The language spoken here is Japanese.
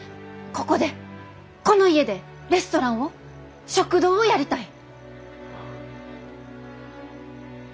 ここでこの家でレストランを食堂をやりたい。